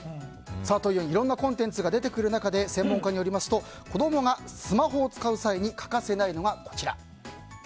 という、いろんなコンテンツが出てくる中で専門家によりますと子供がスマホを使う際にかかせないのが、こちら。